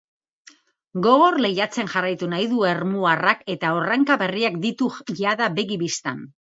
Gogor lehiatzen jarraitu nahi du ermuarrak eta erronka berriak ditu jada begi bistan.